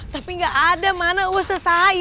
tapi gak ada mana joka saya